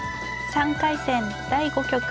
３回戦第５局。